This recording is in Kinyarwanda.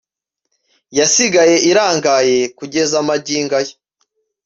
yasigaye irangaye kugeza magingo aya